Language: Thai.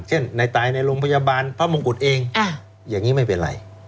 ในตายในโรงพยาบาลพระมงกุฎเองอย่างนี้ไม่เป็นไร